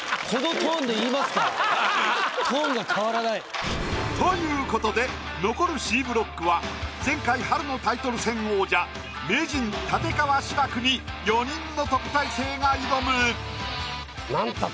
トーンが変わらない。ということで残るＣブロックは前回春のタイトル戦王者名人立川志らくに４人の特待生が挑む。